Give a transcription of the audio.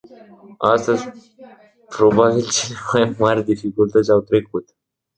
Astăzi, probabil cele mai mari dificultăți au trecut.